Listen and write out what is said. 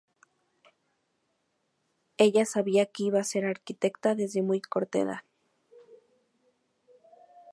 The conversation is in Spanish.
Ella sabía que iba a ser arquitecta desde muy corta edad.